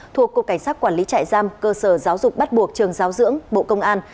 thuộc cục cảnh sát quản lý trại giam cơ sở giáo dục bắt buộc trường giáo dưỡng bộ công an